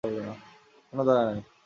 কোন দয়া নয়!